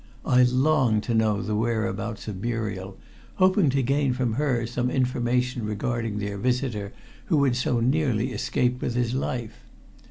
I longed to know the whereabouts of Muriel, hoping to gain from her some information regarding their visitor who had so nearly escaped with his life.